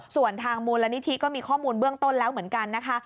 ส่วนทางมูลนิธิก็มีข้อมูลเบื้องต้นแล้วเหมือนกันนะคะ